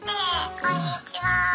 こんにちは。